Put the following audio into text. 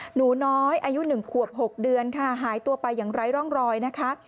หนูน้อยอายุ๑ขวบ๖เดือนค่ะหายตัวไปอย่างไร้ร่องรอยนะคะ